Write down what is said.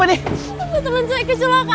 harus dibawa ke rumah sakit cepatnya pak